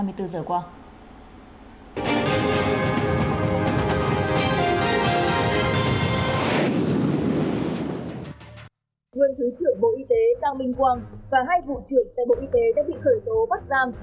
nguyên thứ trưởng bộ y tế tăng minh quang và hai vụ trưởng tại bộ y tế đã bị khởi tố bắt giam